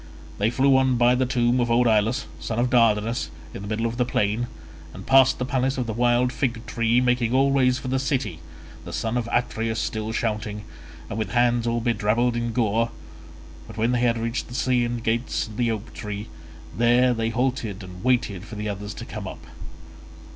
They flew on by the tomb of old Ilus, son of Dardanus, in the middle of the plain, and past the place of the wild fig tree making always for the city—the son of Atreus still shouting, and with hands all bedrabbled in gore; but when they had reached the Scaean gates and the oak tree, there they halted and waited for the others to come up.